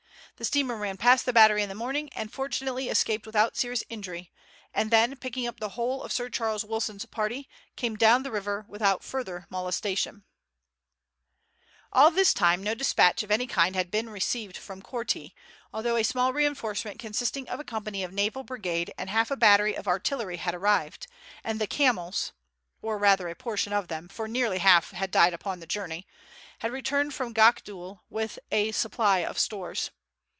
The steamer ran past the battery in the morning and fortunately escaped without serious injury, and then picking up the whole of Sir Charles Wilson's party came down the river without further molestation. [Illustration: "A SHOT HAD PASSED THROUGH HER BOILER."] All this time no despatch of any kind had been received from Korti, although a small reinforcement consisting of a company of the Naval Brigade and half a battery of artillery had arrived, and the camels or rather a portion of them, for nearly half had died upon the journey had returned from Gakdul with a supply of stores.